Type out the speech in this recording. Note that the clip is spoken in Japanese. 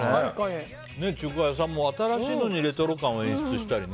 中華屋さんも新しいのにレトロ感を演出したりね。